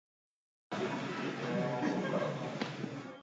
They recorded prolifically.